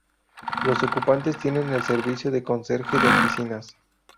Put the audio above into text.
Los ocupantes tiene el servicio de conserje de oficinas.